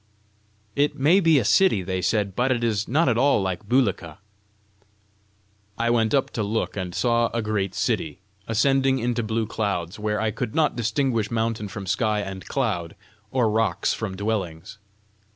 "It may be a city," they said, "but it is not at all like Bulika." I went up to look, and saw a great city, ascending into blue clouds, where I could not distinguish mountain from sky and cloud, or rocks from dwellings.